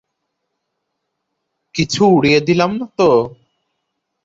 কিছু উড়িয়ে দিলাম না তো?